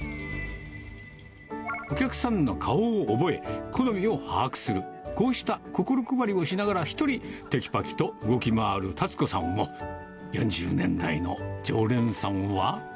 お客さんの顔を覚え、好みを把握する、こうした心配りをしながら、１人、てきぱきと動き回るたつ子さんを、４０年来の常連さんは。